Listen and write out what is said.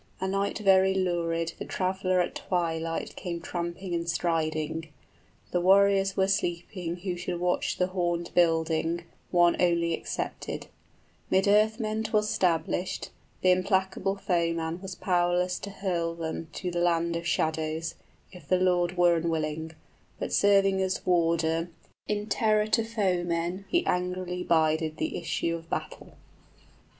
A night very lurid {Grendel comes to Heorot.} The trav'ler at twilight came tramping and striding. The warriors were sleeping who should watch the horned building, {Only one warrior is awake.} 45 One only excepted. 'Mid earthmen 'twas 'stablished, Th' implacable foeman was powerless to hurl them To the land of shadows, if the Lord were unwilling; But serving as warder, in terror to foemen, He angrily bided the issue of battle.